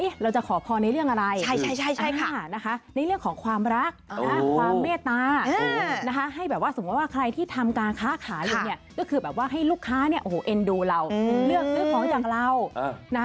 สมมุติว่าใครที่ทำการค้าขายอยู่ก็คือให้ลูกค้าเอ็นดูเราเลือกซื้อของจากเรา